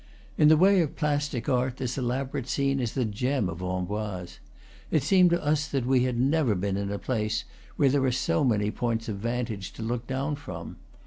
In the way of plastic art this elaborate scene is the gem of Amboise. It seemed to us that we had never been in a place where there are so many points of vantage to look down from.